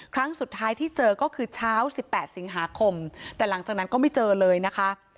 ครั้งสุดท้ายที่เจอก็คือเช้า๑๘สิงหาคมแต่หลังจากนั้นก็ไม่เจอเลยนะคะ